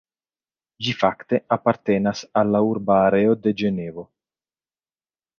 Ĝi fakte apartenas al la urba areo de Ĝenevo.